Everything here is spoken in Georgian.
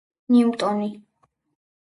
ნიუტონი